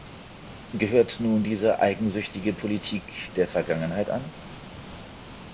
Gehört nun diese eigensüchtige Politik der Vergangenheit an?